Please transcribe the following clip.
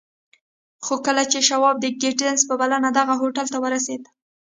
خو کله چې شواب د ګيټس په بلنه دغه هوټل ته ورسېد.